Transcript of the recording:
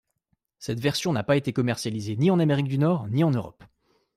Cette version n'a pas été commercialisée ni en Amérique du Nord, ni en Europe.